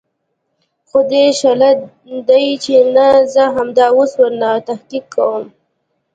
خو دى شله ديه چې نه زه همدا اوس ورنه تحقيق کوم.